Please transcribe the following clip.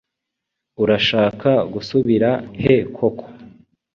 Urashaka gusubira he koko?